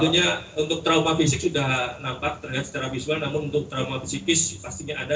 tentunya untuk trauma fisik sudah nampak terlihat secara visual namun untuk trauma psikis pastinya ada